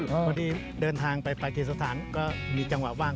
พอดีเดินทางไปประเทศสถานก็มีจังหวะว่าง